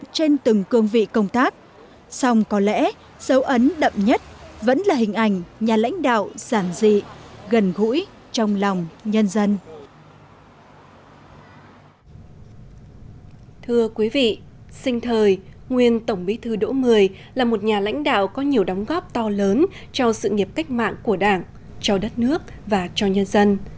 trước những giờ phút sinh thời nguyên tổng bỉ thứ đổ mươi là một nhà lãnh đạo có nhiều đóng góp to lớn cho sự nghiệp cách mạng của đảng cho đất nước và cho nhân dân